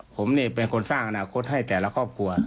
ผมเป็นคนสร้างอนาคตให้แต่ละครอบครัว